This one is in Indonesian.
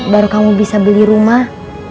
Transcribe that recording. baru kamu bisa beli rumah